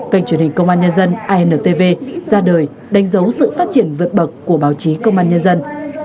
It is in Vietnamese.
kênh truyền hình công an nhân dân intv ra đời đánh dấu sự phát triển vượt bậc của báo chí công an nhân dân